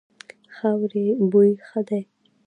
خاورې بوی ښه دی.